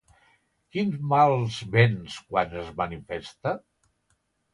Quins mals venç quan es manifesta?